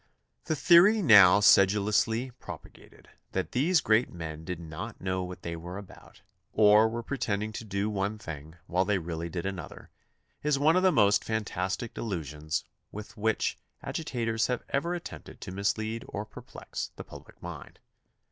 The theory now sedulously propagated, that these great men did not know what they were about, or were pretending to do one thing while they really did another, is one of the most fan tastic delusions with which agitators have ever at tempted to mislead or perplex the public mind.